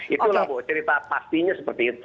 itulah bu cerita pastinya seperti itu